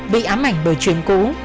bị ám ảnh bởi chuyến cũ